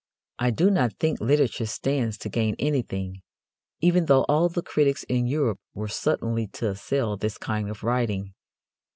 I do not think literature stands to gain anything, even though all the critics in Europe were suddenly to assail this kind of writing.